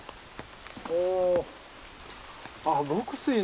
お。